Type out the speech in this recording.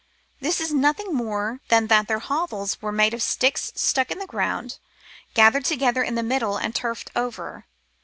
This is nothing more than that their hovels were made of sticks stuck in the ground, gathered together in the middle and turfed over.